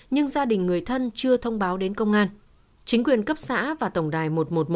nhưng gia đình người thân chưa thông báo đến công an chính quyền cấp xã và tổng đài một trăm một mươi một